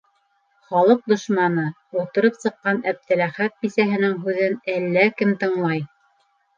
Халыҡ дошманы, ултырып сыҡҡан Әптеләхәт бисәһенең һүҙен әллә кем тыңлай!